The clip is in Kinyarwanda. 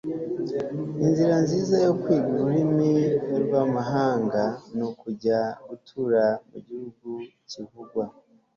Inzira nziza yo kwiga ururimi rwamahanga nukujya gutura mugihugu kivugwa